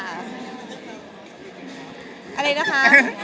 อะไรนะคะ